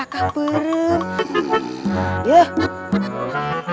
aki aki disuruh menjaga